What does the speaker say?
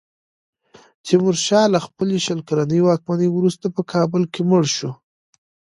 تیمورشاه له خپلې شل کلنې واکمنۍ وروسته په کابل کې مړ شو.